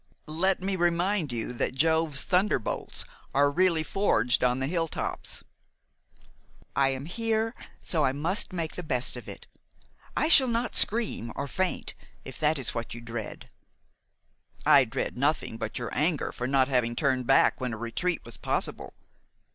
"Let me remind you that Jove's thunderbolts are really forged on the hilltops." "I am here; so I must make the best of it. I shall not scream, or faint, if that is what you dread." "I dread nothing but your anger for not having turned back when a retreat was possible.